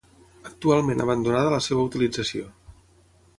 Actualment abandonada la seva utilització.